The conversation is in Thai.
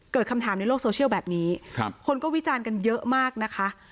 เกิดคำถามในโลกโซเชียลแบบนี้คนก็วิจารณ์กันเยอะมากนะคะ